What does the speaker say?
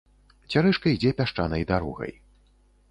Цярэшка ідзе пясчанай дарогай.